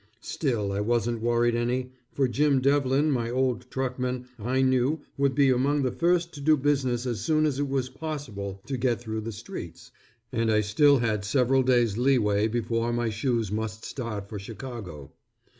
Still I wasn't worrying any, for Jim Devlin my old truckman, I knew, would be among the first to do business as soon as it was possible to get through the streets, and I still had several days leeway before my shoes must start for Chicago.